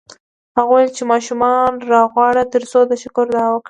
هغه وویل چې ماشومان راوغواړه ترڅو د شکر دعا وکړو